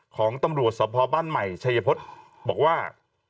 ของตำรวจศพบ้านใหม่เฉยภฎบอกว่า